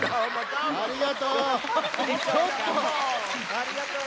ありがとう！